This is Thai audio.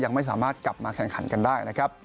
ยังไม่สามารถกลับมาแข่งขันกันได้นะครับ